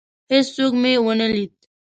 هیڅوک مي ونه لید.